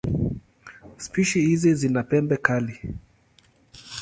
Spishi hizi zina pembe kali.